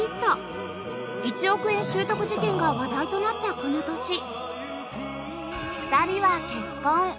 １億円拾得事件が話題となったこの年２人は結婚